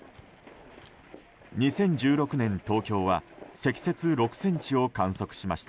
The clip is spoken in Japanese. ２０１６年、東京は積雪６ｃｍを観測しました。